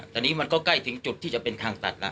แต่นี่มันก็ใกล้ถึงจุดที่จะเป็นทางตัดแล้ว